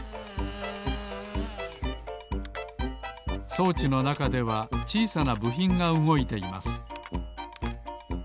そうちのなかではちいさなぶひんがうごいています。